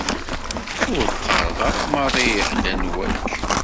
Ur qqareɣ ara maḍi i ḥedd anwa-k.